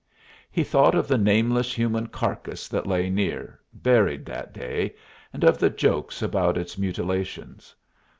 He thought of the nameless human carcass that lay near, buried that day, and of the jokes about its mutilations.